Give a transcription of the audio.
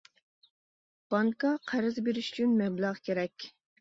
بانكا قەرز بېرىش ئۈچۈن مەبلەغ كېرەك.